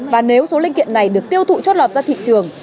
và nếu số linh kiện này được tiêu thụ chót lọt ra thị trường